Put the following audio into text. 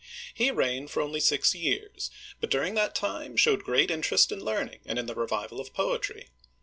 He reigned only six years, but during that time showed great interest in learning, and in the revival of poetry.